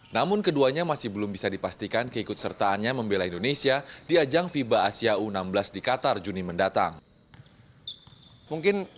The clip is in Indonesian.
namun keduanya masih belum bisa dipastikan keikut sertaannya membela indonesia di ajang fiba asia u enam belas di qatar juni mendatang